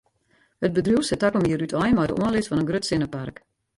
It bedriuw set takom jier útein mei de oanlis fan in grut sinnepark.